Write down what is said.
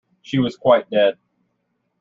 She was quite dead.